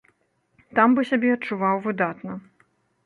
Там бы сябе адчуваў выдатна.